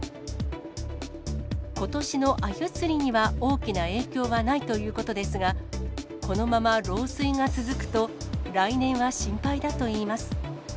ことしのアユ釣りには大きな影響はないということですが、このまま漏水が続くと、来年は心配だといいます。